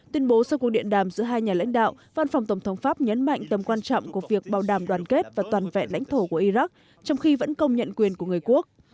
tuyên bố sau cuộc điện đàm giữa hai nhà lãnh đạo văn phòng tổng thống pháp nhấn mạnh tầm quan trọng của việc bảo đảm đoàn kết và toàn vẹn lãnh thổ của iraq trong khi vẫn công nhận quyền của người quốc